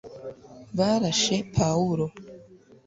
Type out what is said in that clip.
barashe pawulo